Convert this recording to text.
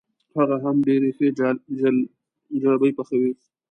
هغه هم ډېرې ښې جلبۍ پخوي.